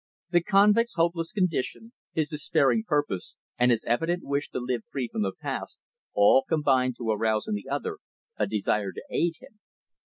The convict's hopeless condition, his despairing purpose, and his evident wish to live free from the past, all combined to arouse in the other a desire to aid him.